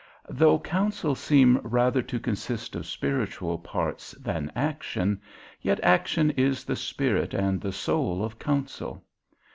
Though counsel seem rather to consist of spiritual parts than action, yet action is the spirit and the soul of counsel.